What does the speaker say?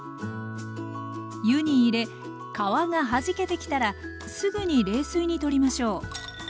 湯に入れ皮がはじけてきたらすぐに冷水にとりましょう。